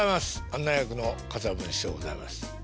案内役の桂文枝でございます。